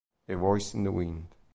A Voice in the Wind